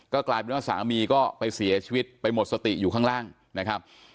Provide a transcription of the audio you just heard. กลายเป็นว่าสามีก็ไปเสียชีวิตไปหมดสติอยู่ข้างล่างนะครับ